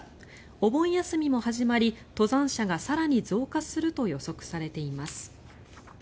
お盆休みも始まり登山者が更に増加すると予測されています。